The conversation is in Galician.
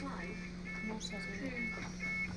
Non se asimila.